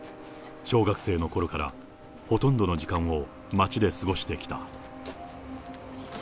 小学生のころから、ほとんどの時間を町で過ごしてきた。